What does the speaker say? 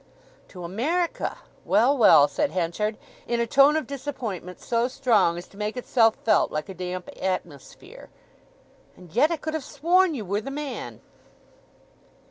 "To America—well, well," said Henchard, in a tone of disappointment, so strong as to make itself felt like a damp atmosphere. "And yet I could have sworn you were the man!"